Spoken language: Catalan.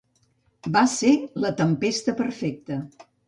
Va ser la tempesta perfecta.